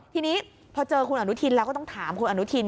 ทีนี้พอเจอคุณอนุทินแล้วก็ต้องถามคุณอนุทิน